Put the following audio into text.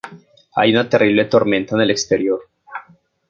Hay una terrible tormenta en el exterior.